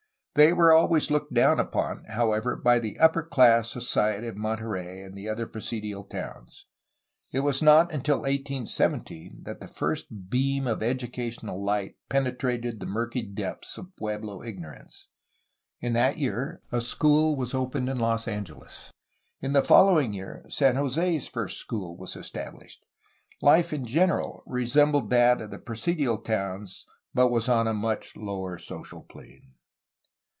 They were always looked down upon, however, by the upper class society of Monterey and the other presidial towns. It was not until 1817 that the first beam of educational light pene trated the murky depths of pueblo ignorance. In that year a school was opened in Los Angeles. In the following year San Jose's first school was established. Life in general resembled that of the presidial towns, but was on a much lower social plane.